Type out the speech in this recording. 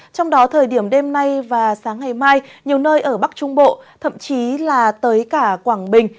trong đó thời điểm đêm nay và sáng ngày mai nhiều nơi ở bắc trung bộ thậm chí là tới cả quảng bình